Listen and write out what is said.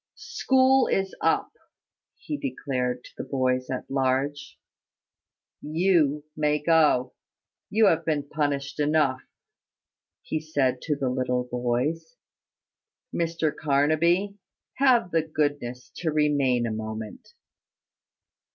School is up," he declared to the boys at large. "You may go you have been punished enough," he said to the little boys. "Mr Carnaby, have the goodness to remain a moment."